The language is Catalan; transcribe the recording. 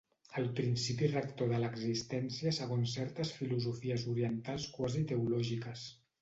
El principi rector de l'existència segons certes filosofies orientals quasi teològiques.